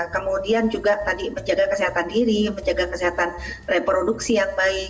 kemudian juga tadi menjaga kesehatan diri menjaga kesehatan reproduksi yang baik